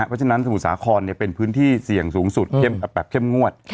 เพราะฉะนั้นสมุทรสาครเป็นพื้นที่เสี่ยงสูงสุดแบบเข้มงวด